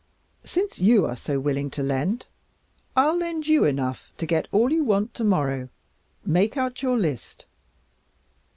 Since you are so willing to lend, I'll lend you enough to get all you want tomorrow. Make out your list.